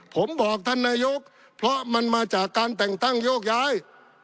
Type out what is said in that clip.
ผมบอกท่านนายกเพราะมันมาจากการแต่งตั้งโยกย้าย